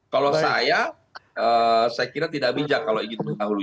kalau saya saya kira tidak bijak kalau ingin mendahului